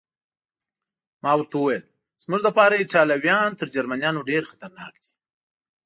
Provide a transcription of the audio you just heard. ما ورته وویل: زموږ لپاره ایټالویان تر جرمنیانو ډېر خطرناک دي.